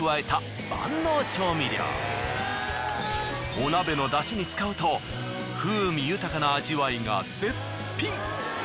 お鍋の出汁に使うと風味豊かな味わいが絶品。